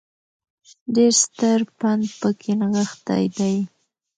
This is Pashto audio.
ډېر ستر پند په کې نغښتی دی